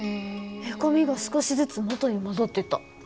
へこみが少しずつ元に戻ってった。